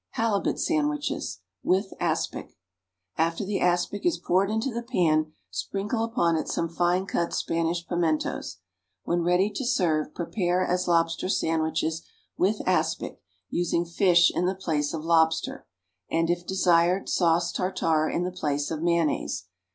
=Halibut Sandwiches with Aspic.= After the aspic is poured into the pans, sprinkle upon it some fine cut Spanish pimentos. When ready to serve, prepare as lobster sandwiches with aspic, using fish in the place of lobster, and, if desired, sauce tartare in the place of mayonnaise.